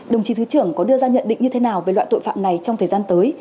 đồng chí thứ trưởng có đưa ra nhận định như thế nào về loại tội phạm này trong thời gian tới